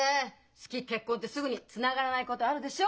「好き」「結婚」ってすぐにつながらないことあるでしょ？